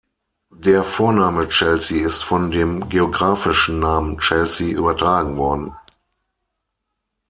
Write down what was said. Der Vorname Chelsea ist von dem geografischen Namen Chelsea übertragen worden.